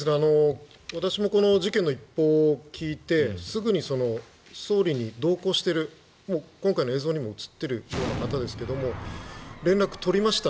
私もこの事件の一報を聞いてすぐに、総理に同行している今回の映像にも映っているような方ですが連絡を取りました。